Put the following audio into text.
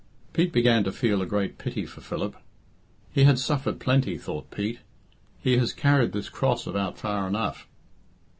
Pete began to feel a great pity for Philip. "He had suffered plenty," thought Pete. "He has carried this cross about far enough."